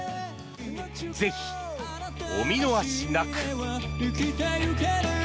ぜひお見逃しなく！